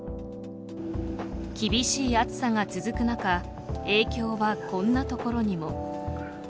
厳しい暑さが続く中影響はこんなところにも。